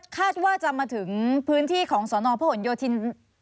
คาดว่าจะมาถึงพื้นที่ของสนพหนโยธิน